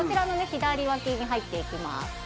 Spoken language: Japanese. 左脇に入っていきます